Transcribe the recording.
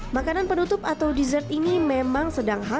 makanan penutup atau dessert ini memang sedang hamil